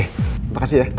terima kasih ya